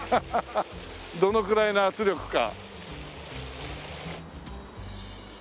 どのぐらいの圧力か。